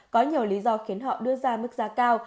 có nhiều lý do khiến họ đưa ra mức giá cao